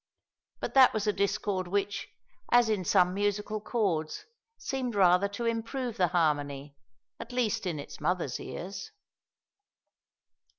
But that was a discord which, as in some musical chords, seemed rather to improve the harmony at least in its mother's ears.